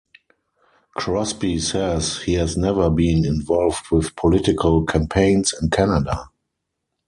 Crosby says he has never been involved with political campaigns in Canada.